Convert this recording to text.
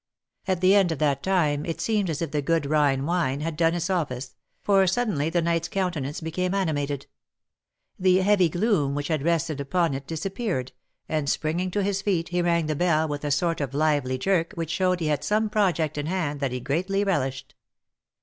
At the end of that time it seemed as if the good Rhine wine had done its office, for suddenly the knight's countenance became animated ; the heavy gloom which had rested upon it disappeared, and springing to his feet he rang the bell with a sort of lively jerk which showed he had some project in hand that he greatly relished.